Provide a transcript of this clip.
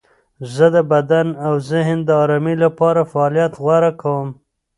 زه د بدن او ذهن د آرامۍ لپاره فعالیت غوره کوم.